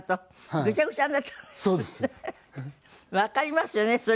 わかりますよねそれ。